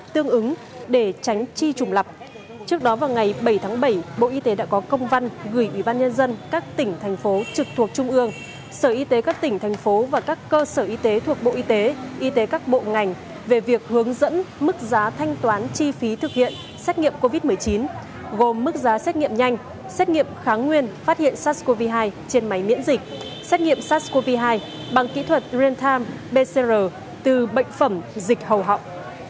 trước đó vào ngày bảy tháng bảy bộ y tế đã có công văn gửi ủy ban nhân dân các tỉnh thành phố trực thuộc trung ương sở y tế các tỉnh thành phố và các cơ sở y tế thuộc bộ y tế y tế các bộ ngành về việc hướng dẫn mức giá thanh toán chi phí thực hiện xét nghiệm covid một mươi chín gồm mức giá xét nghiệm nhanh xét nghiệm kháng nguyên phát hiện sars cov hai trên máy miễn dịch xét nghiệm sars cov hai bằng kỹ thuật real time pcr từ bệnh phẩm dịch hầu họng